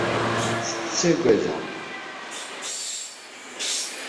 Yettagad-aɣ.